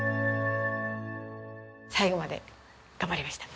最後まで頑張りました。